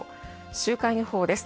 週間予報です。